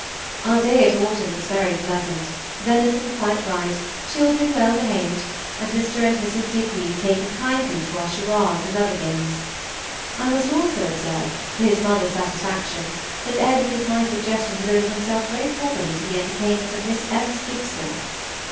Our day at Alton was very pleasant, venison quite right, children well behaved, and Mr. and Mrs. Digweed taking kindly to our charades and other games. I must also observe, for his mother's satisfaction, that Edward at my suggestion devoted himself very properly to the entertainment of Miss S. Gibson.